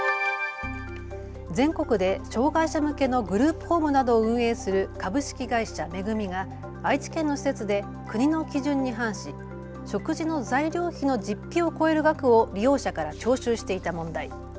全国で障害者向けのグループホームなどを運営する株式会社恵が愛知県の施設で国の基準に反し食事の材料費の実費を超える額を利用者から徴収していた問題。